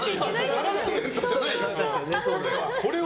ハラスメントじゃない、それは。